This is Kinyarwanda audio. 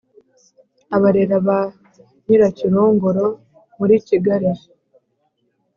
abarera ba nyirakirongoro. muri kigali